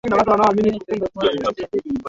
Mimi siwezi kuwa mzembe